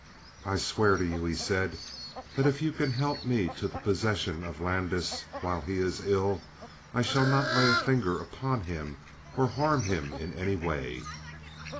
"I swear to you," he said, "that if you can help me to the possession of Landis while he is ill, I shall not lay a finger upon him or harm him in any way."